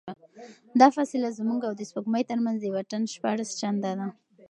دا فاصله زموږ او د سپوږمۍ ترمنځ د واټن شپاړس چنده ده.